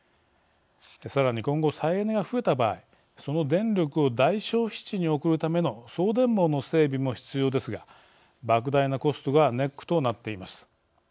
さらに今後、再エネが増えた場合その電力を大消費地に送るための送電網の整備も必要ですがばく大なコストがネックとなっています。